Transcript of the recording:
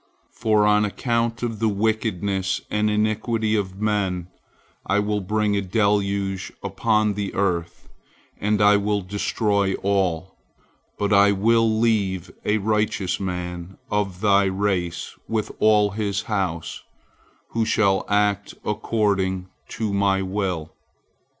For on account of the wickedness and iniquity of men, I will bring a deluge upon the earth, and I will destroy all, but I will leave a righteous man of thy race with all his house, who shall act according to My will.